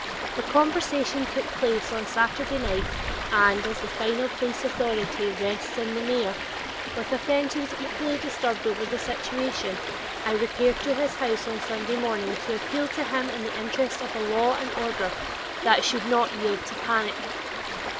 The conversation took place on Saturday night and, as the final police authority rests in the mayor, with a friend who was equally disturbed over the situation, I repaired to his house on Sunday morning to appeal to him in the interest of a law and order that should not yield to panic.